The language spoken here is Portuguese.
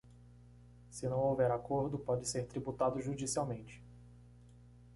Se não houver acordo, pode ser tributado judicialmente.